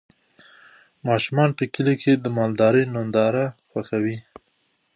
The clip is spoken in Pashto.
ماشومان په کلي کې د مالدارۍ ننداره خوښوي.